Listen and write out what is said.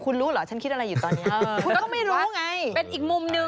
คุณรู้เหรอฉันคิดอะไรอยู่ตอนนี้